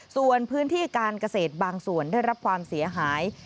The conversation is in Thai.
ส่วนพื้นที่การเกษตรบางส่วนได้รับความเสียหาย